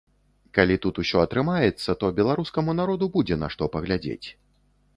Калі тут усё атрымаецца, то беларускаму народу будзе на што паглядзець.